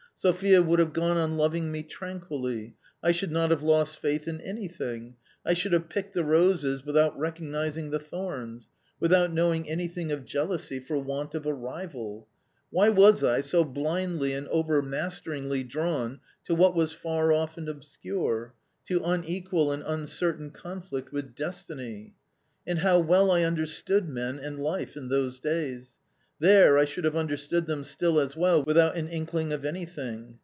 Sophia would have gone on loving me tranquilly. I should not have lost faith in anything, I should have picked the roses without recognising the thorns, without knowing anything of jealousy for want of a rival ! Why was I so blindly and overmasteringly drawn to what was far off and obscure, to unequal and uncertain conflict with destiny ? And how well I understood men and life in those days! There I should have understood them still as well without an inkling of anything.